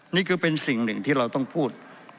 นี่คือเป็นสิ่งหนึ่งที่เราต้องพูด